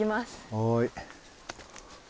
はい。